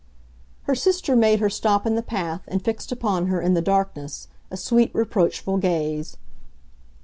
Her sister made her stop in the path, and fixed upon her, in the darkness, a sweet, reproachful gaze.